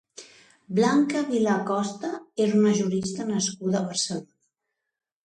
Blanca Vilà Costa és una jurista nascuda a Barcelona.